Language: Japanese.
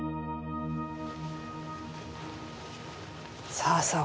さあさあ